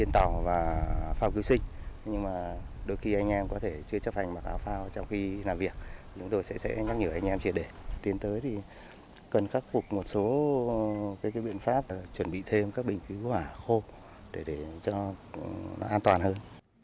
tiến tới thì cần khắc phục một số biện pháp chuẩn bị thêm các bình cứu hỏa khô để cho nó an toàn hơn